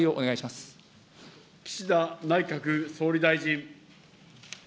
岸田内閣総理大臣。